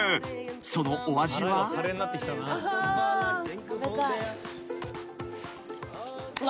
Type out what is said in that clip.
［そのお味は］うわ。